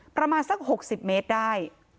ประมาณสัก๖๐เมตรได้